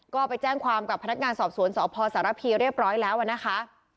ก็ไปแจ้งความกับพนักงานสอบสวนสพสารพีเรียบร้อยแล้วนะคะ